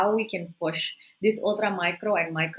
mengembangkan perusahaan ultra micro dan micro